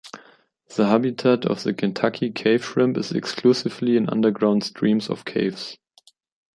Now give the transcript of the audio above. The habitat of the Kentucky cave shrimp is exclusively in underground streams of caves.